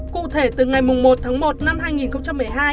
cụ thể từ ngày một tháng một năm hai nghìn một mươi hai